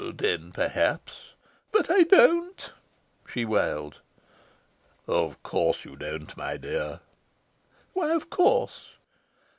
"Then perhaps " "But I don't," she wailed. "Of course, you don't, my dear." "Why, of course?"